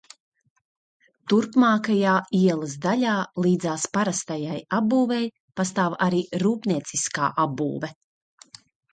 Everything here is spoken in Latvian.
Turpmākajā ielas daļā līdzās parastajai apbūvei pastāv arī rūpnieciskā apbūve.